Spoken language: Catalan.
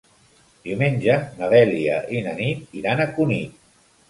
Diumenge na Dèlia i na Nit iran a Cunit.